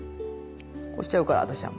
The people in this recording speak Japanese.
こうしちゃうから私は。